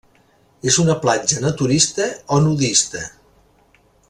És una platja naturista o nudista.